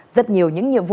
rất nhiều những nhiệm vụ